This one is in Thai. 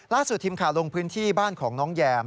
ล่าสุดทิมขาลงพื้นที่บ้านของน้องแยม